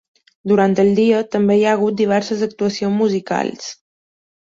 Durant el dia també hi ha hagut diverses actuacions musicals.